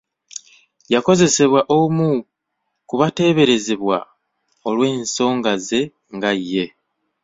Yakozesebwa omu ku bateeberezebwa olw'ensonga ze nga ye.